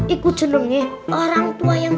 itu jenengnya orang tua yang